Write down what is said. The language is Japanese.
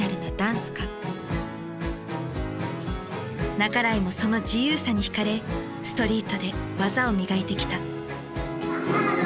半井もその「自由さ」に惹かれストリートで技を磨いてきた。